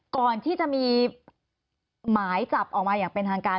ก่อนที่จะมีหมายจับออกมาอย่างเป็นทางการ